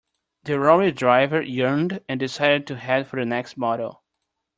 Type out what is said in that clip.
The lorry driver yawned and decided to head for the next motel.